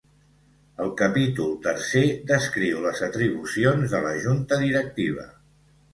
El capítol tercer descriu les atribucions de la Junta Directiva.